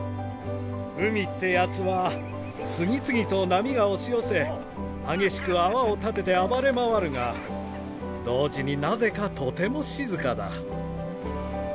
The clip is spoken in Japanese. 海ってやつは次々と波が押し寄せ激しく泡を立てて暴れ回るが同時になぜかとても静かだ。